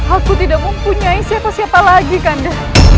aku tidak mempunyai siapa siapa lagi kanda